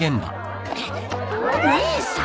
姉さん。